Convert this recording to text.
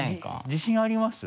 自信あります？